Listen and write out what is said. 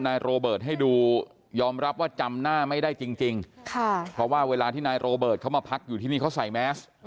โรเบิร์ตให้ดูยอมรับว่าจำหน้าไม่ได้จริงเพราะว่าเวลาที่นายโรเบิร์ตเขามาพักอยู่ที่นี่เขาใส่แมส